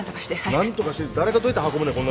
何とかしてって誰がどうやって運ぶねん。